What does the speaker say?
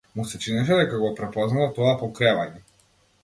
Му се чинеше дека го препознава тоа покревање.